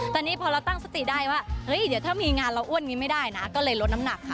ตอนนี้พอเราตั้งสติได้ว่าเฮ้ยเดี๋ยวถ้ามีงานเราอ้วนอย่างนี้ไม่ได้นะก็เลยลดน้ำหนักค่ะ